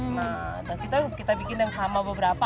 nah kita bikin yang sama beberapa